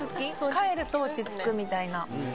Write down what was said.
帰ると落ち着くみたいな。